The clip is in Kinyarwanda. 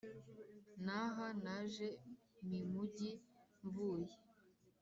n’aha naje mimugi mvuye